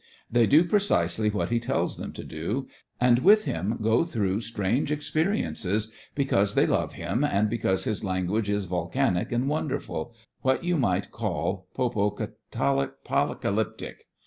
They do precisely what he tells them to, and with him go through strange ex periences, because they love him and 98 THE FRINGES OF THE FLEET because his language is volcanic and wonderful — what you might call Popocatapocalyptic.